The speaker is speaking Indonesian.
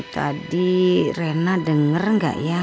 tadi rena denger nggak ya